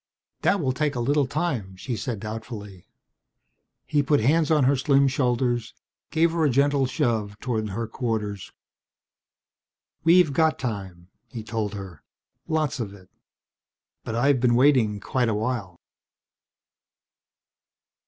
"That will take a little time," she said doubtfully. He put hands on her slim shoulders, gave her a gentle shove toward her quarters. "We've got time," he told her. "Lots of it. But I've been waiting quite a while."